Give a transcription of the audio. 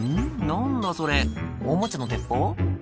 何だそれおもちゃの鉄砲？